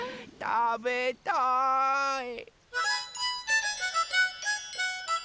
たべたい！